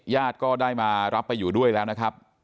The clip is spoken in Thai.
ญาติก็ได้มารับไปอยู่ด้วยแล้วนะครับ